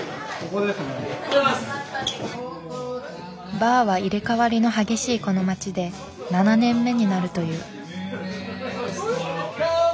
バーは入れ代わりの激しいこの街で７年目になるという。